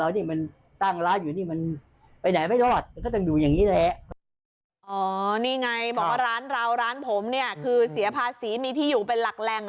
นี่ไงบอกว่าร้านเราร้านผมเนี่ยคือเสียภาษีมีที่อยู่เป็นหลักแหล่ง